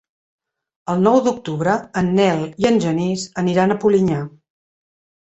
El nou d'octubre en Nel i en Genís aniran a Polinyà.